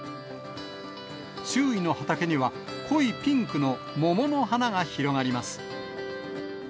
周囲の畑には濃いピンクの桃の花が広がります。